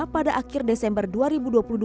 pada akhir desember dua ribu dua puluh dua